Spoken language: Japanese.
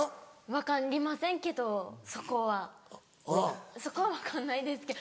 分かりませんけどそこはそこは分かんないですけど。